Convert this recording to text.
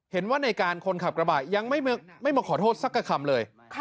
เห็นว่าในการคนขับกระบะยังไม่มาขอโทษสักกระคำเลย